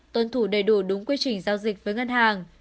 tuân thủ đầy đủ đúng quy trình giao dịch với ngân hàng